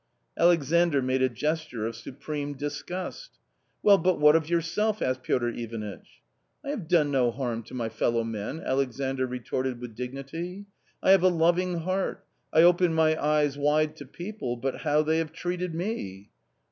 Alexandr made a gesture of supreme disgust. /^r *Jf£Well, but what of yourself?" asked Piotr Ivanitch. "I have done no harm to my fellow men !" Alexandr retorted with dignity, " I have a loving heart ; I opened my eyes wide to people, but how have they treated me?"